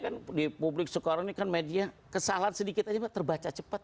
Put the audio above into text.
kan di publik sekarang ini kan media kesalahan sedikit aja pak terbaca cepat